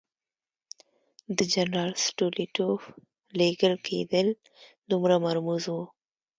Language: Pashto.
د جنرال ستولیتوف لېږل کېدل دومره مرموز وو.